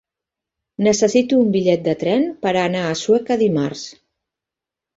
Necessito un bitllet de tren per anar a Sueca dimarts.